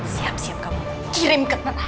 siap siap kamu kirim ke tengah